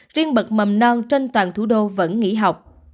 riêng bậc mầm non trên toàn thủ đô vẫn nghỉ học